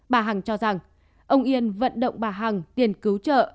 bà hằng cho rằng ông yên vận động bà hằng tiền cứu trợ